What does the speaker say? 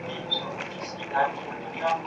تاسي باید خپل کمنټونه په ادب سره ولیکئ.